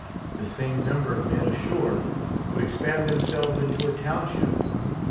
The same number of men ashore would expand themselves into a township.